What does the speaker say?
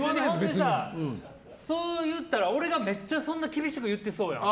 そう言ったら、俺がめっちゃ厳しく言ってそうやん。